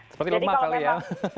seperti lemak kali ya